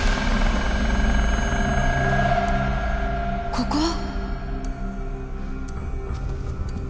ここは！？